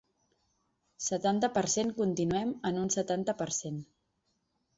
Setanta per cent Continuem en un setanta per cent.